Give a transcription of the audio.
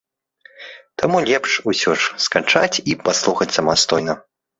Таму лепш усё ж скачаць і паслухаць самастойна.